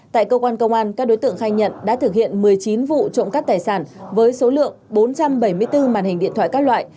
tại cơ quan công an các đối tượng khai nhận đã thực hiện một mươi chín vụ trộm cắp tài sản với số lượng bốn trăm bảy mươi bốn màn hình điện thoại các loại